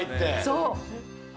そう。